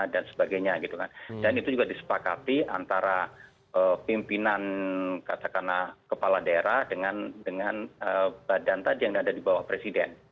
dan itu juga disepakati antara pimpinan kata kata kepala daerah dengan badan tadi yang ada di bawah presiden